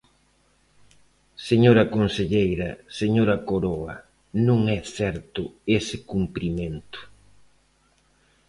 Señora conselleira, señora Coroa, non é certo ese cumprimento.